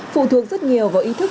phụ thuộc rất nhiều vào ý thức